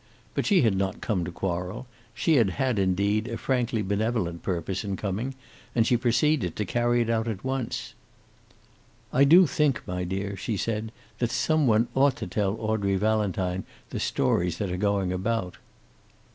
But she had not come to quarrel. She had had, indeed, a frankly benevolent purpose in coming, and she proceeded to carry it out at once. "I do think, my dear," she said, "that some one ought to tell Audrey Valentine the stories that are going about."